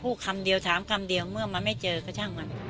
คำเดียวถามคำเดียวเมื่อมันไม่เจอก็ช่างมัน